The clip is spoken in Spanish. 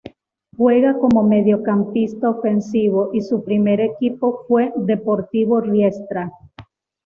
Juega como mediocampista ofensivo y su primer equipo fue Deportivo Riestra.